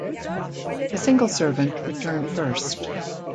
The single servant returned first.